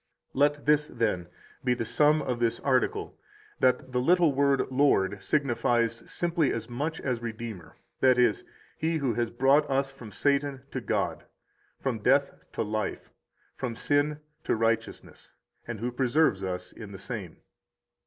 31 Let this, then, be the sum of this article that the little word Lord signifies simply as much as Redeemer, i.e., He who has brought us from Satan to God, from death to life, from sin to righteousness, and who preserves us in the same.